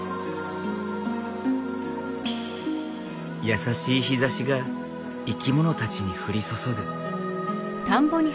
優しい日ざしが生き物たちに降り注ぐ。